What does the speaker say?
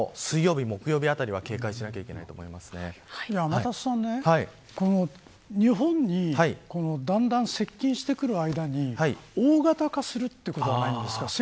特に北陸から東北にかけても水曜日、木曜日あたりは警戒しなければいけないと天達さん日本にだんだん接近してくる間に大型化するということはないんですか。